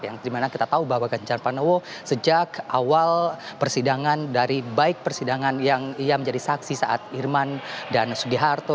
yang dimana kita tahu bahwa ganjar panowo sejak awal persidangan dari baik persidangan yang ia menjadi saksi saat irman dan sugiharto